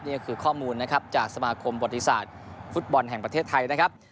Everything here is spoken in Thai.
นี่ก็คือข้อมูลนะครับจากสมาคมบริษัทฟุตบอลแห่งประเทศไทยนะครับ